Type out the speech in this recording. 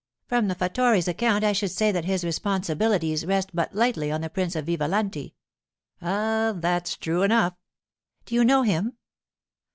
'From the fattore's account I should say that his responsibilities rest but lightly on the Prince of Vivalanti.' 'Ah—that's true enough.' 'Do you know him?